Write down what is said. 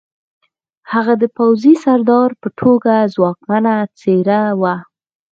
هغه د پوځي سردار په توګه ځواکمنه څېره وه